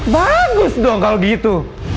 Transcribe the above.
bagus dong kalau gitu